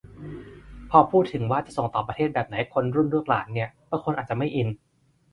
พอพูดถึงว่าจะส่งต่อประเทศแบบไหนให้คนรุ่นลูกหลานนี่บางคนอาจจะไม่อิน